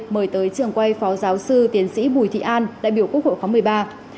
mời tới trường quay phó giáo sư tiến sĩ bùi thị an đại biểu quốc hội khóa một mươi ba